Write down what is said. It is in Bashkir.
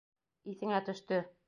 Иҫеңә төштө!